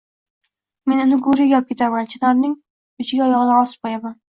Men uni Guriyaga opketaman, chinorning uchiga oyogʻidan osib qoʻyaman.